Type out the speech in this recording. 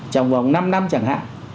trong vòng năm năm chẳng hạn